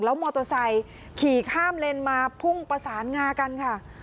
มอเตอร์ไซค์ขี่ข้ามเลนมาพุ่งประสานงากันค่ะ